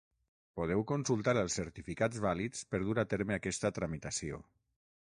Podeu consultar els certificats vàlids per dur a terme aquesta tramitació.